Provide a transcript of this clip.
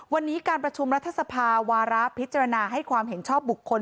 วันนี้การประชุมรัฐสภาวาระพิจารณาให้ความเห็นชอบบุคคล